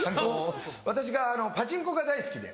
私がパチンコが大好きで。